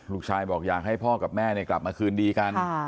ลูกชายบอกอยากให้พ่อกับแม่กลับมาคืนดีกัน